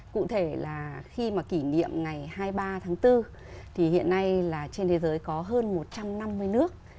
cụ thể là khi mà kỷ niệm ngày hai mươi ba tháng bốn thì hiện nay là trên thế giới có hơn một trăm năm mươi nước